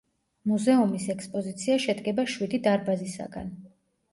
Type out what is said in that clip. მუზეუმის ექსპოზიცია შედგება შვიდი დარბაზისაგან.